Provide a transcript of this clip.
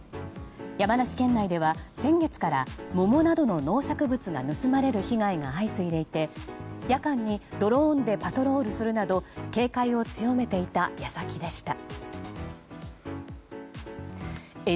山梨県内では先月から桃などの農作物が盗まれる被害が相次いでいて夜間にドローンでパトロールをするなど警戒を強めていた矢先でした。